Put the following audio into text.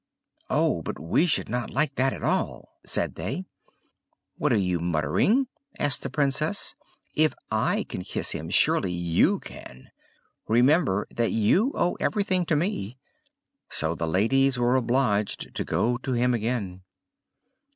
"Oh but we should not like that at all!" said they. "What are you muttering?" asked the Princess. "If I can kiss him, surely you can. Remember that you owe everything to me." So the ladies were obliged to go to him again.